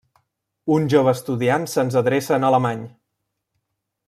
Un jove estudiant se'ns adreça en alemany.